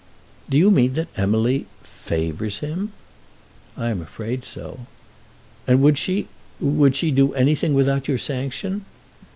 "Do you mean that Emily favours him?" "I am afraid so." "And would she would she do anything without your sanction?"